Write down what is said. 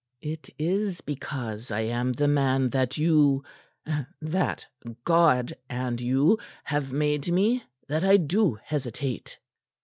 "It is because I am the man that you that God and you have made me that I do hesitate."